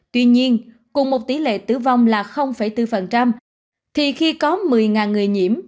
tuy nhiên cùng một tỷ lệ tử vong là bốn thì khi có một mươi người nhiễm